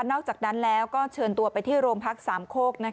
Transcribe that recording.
อกจากนั้นแล้วก็เชิญตัวไปที่โรงพักสามโคก